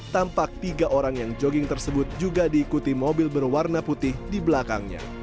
tampak tiga orang yang jogging tersebut juga diikuti mobil berwarna putih di belakangnya